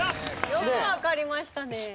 よくわかりましたね。